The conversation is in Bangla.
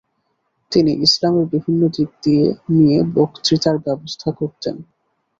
তিনি ইসলামের বিভিন্ন দিক নিয়ে বক্তৃতার ব্যবস্থা করতেন।